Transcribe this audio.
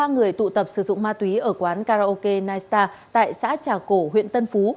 một mươi ba người tụ tập sử dụng ma túy ở quán karaoke nightstar tại xã trà cổ huyện tân phú